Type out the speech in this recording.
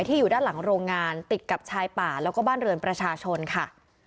อยู่ด้านหลังโรงงานติดกับชายป่าแล้วก็บ้านเรือนประชาชนค่ะ